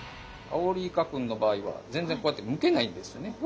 アオリイカ君の場合は全然こうやってむけないんですね。